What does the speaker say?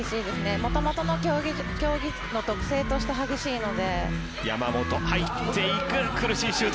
もともとの競技の特性として激しいので。